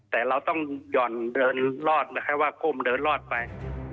แต่เราต้องหย่อนเดินรอดให้ว่าก้มเดินรอดไป